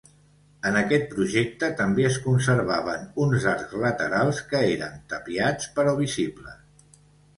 En aquest projecte també es conservaven uns arcs laterals, que eren tapiats però visibles.